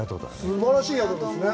すばらしい宿ですね。